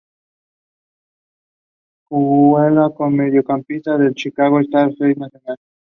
Juega como mediocampista en el Chicago Red Stars de la National Women's Soccer League.